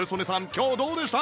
今日どうでした？